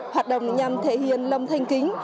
hoạt động nhằm thể hiện lâm thanh kính